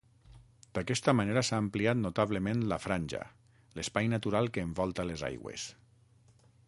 D’aquesta manera s’ha ampliat notablement la franja l’espai natural que envolta les aigües.